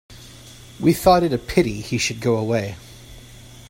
We thought it a pity he should go away.